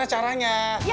eh aku bisa